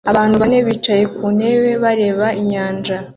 abantu bane bicaye ku ntebe bareba inyanja